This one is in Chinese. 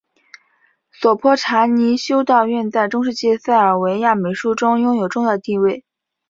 索泼查尼修道院在中世纪塞尔维亚美术中拥有重要地位。